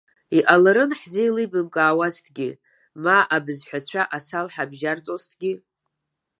Иҟаларын ҳзеилибамкаауазҭгьы, ма абызҳәацәа асал ҳабжьарҵозҭгьы.